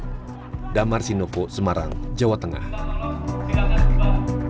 setelah yang terakhir kali terjadi di stadion kanjuruhan malang pada oktober tahun lalu